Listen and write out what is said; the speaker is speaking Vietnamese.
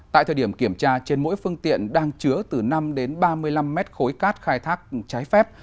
tại thời điểm kiểm tra trên mỗi phương tiện đang chứa từ năm đến ba mươi năm mét khối cát khai thác trái phép